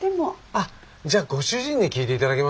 あっじゃあご主人に聞いて頂けます？